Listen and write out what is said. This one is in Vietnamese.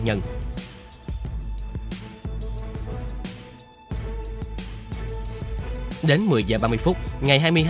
đến một mươi h ba mươi phút ngày hai mươi hai tháng một mươi năm hai nghìn hai mươi thì lê thanh hưng bị cơ quan điều tra công an tỉnh bắc ninh bắt giữ